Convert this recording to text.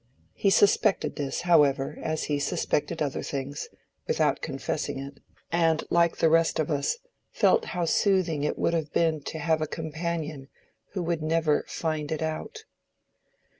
He suspected this, however, as he suspected other things, without confessing it, and like the rest of us, felt how soothing it would have been to have a companion who would never find it out.